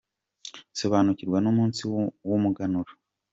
Sobanukirwa n’umunsi w’umuganura